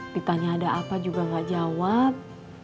ditanya ada apa juga gak jawab